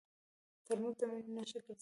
ترموز د مینې نښه ګرځېدلې.